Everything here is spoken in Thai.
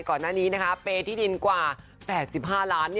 ก่อนหน้านี้นะคะเปย์ที่ดินกว่า๘๕ล้าน